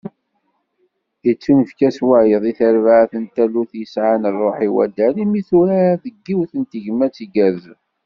Yettunefk-as wayeḍ, i tarbaɛt n Talult i yesɛan ṛṛuḥ n waddal, imi turar deg yiwet n tegmat igerrzen.